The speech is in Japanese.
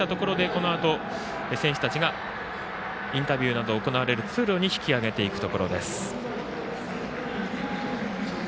このあと、選手たちがインタビューなど行われる通路に引き上げていくところです。